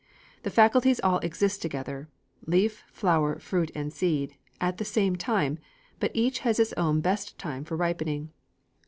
The faculties all exist together leaf, flower, fruit, and seed at the same time, but each has its own best time for ripening.